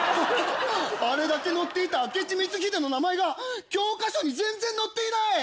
あれだけ載っていた明智光秀の名前が教科書に全然載っていない。